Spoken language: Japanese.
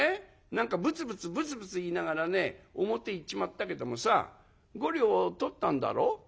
何かぶつぶつぶつぶつ言いながらね表へ行っちまったけどもさ５両取ったんだろ？」。